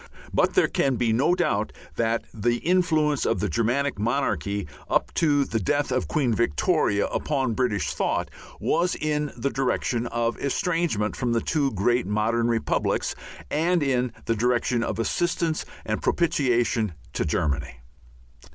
But there can be no doubt that the influence of the Germanic monarchy up to the death of Queen Victoria upon British thought was in the direction of estrangement from the two great modern republics and in the direction of assistance and propitiation to Germany.